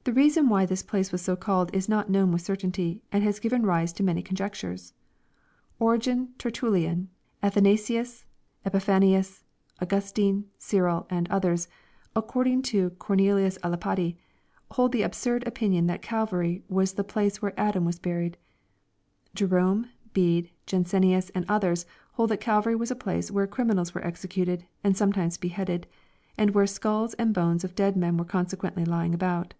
] The reason why this place was so called is not known with certainty, and has given rise to many conjectures. Origen, Tertullian, Athanasius, Epiphanius, Augustine, Cyrils and others, according to Cornelius a Lapide, hold the absurd opin ion that Calvary was the place where Adam was buried. Jerome, Bede, Jansenius, and others, hold that Calvary was a place where criminals were executed, and sometimes beheaded, and where sculls and bones of dead men were consequently lying about.